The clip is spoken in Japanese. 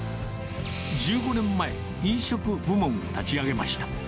１５年前、飲食部門を立ち上げました。